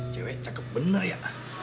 cewek cakep bener ya